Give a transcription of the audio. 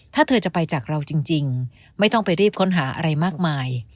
ถ้าเธอจะไปจากเราจริงไม่ต้องไปรีบค้นหาอะไรมากมาย